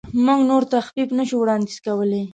موږ نور تخفیف نشو وړاندیز کولی.